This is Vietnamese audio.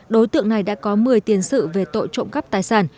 đối tượng này đã có một mươi tiền sự về tội trộm cắp tài sản